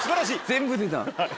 全部出た。